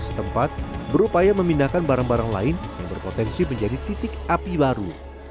setempat berupaya memindahkan barang barang lain yang berpotensi menjadi titik api baru